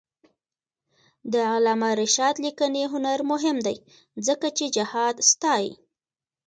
د علامه رشاد لیکنی هنر مهم دی ځکه چې جهاد ستايي.